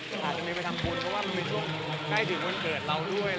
ก็อาจจะมีไปทำบุญเพราะว่ามันเป็นช่วงใกล้ถึงวันเกิดเราด้วย